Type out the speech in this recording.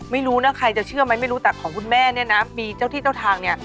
ไม่รู้นะใครจะเชื่อไหมไม่รู้แต่ของคุณแม่เนี่ยนะมีเจ้าที่เจ้าทางเนี่ย